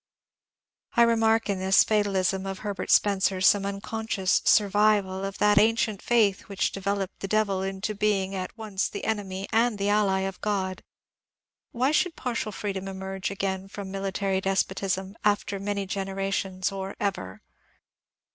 I remarked in this fatalism of Herbert Spencer some un conscious ^^ survival *' of that ancient faith which developed the Devil into a being at once the enemy and the ally of God. Why should partial freedom emerge again from miUtary des potism " after many generations," or ever